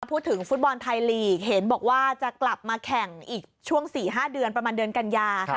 พูดถึงฟุตบอลไทยลีกเห็นบอกว่าจะกลับมาแข่งอีกช่วง๔๕เดือนประมาณเดือนกัญญา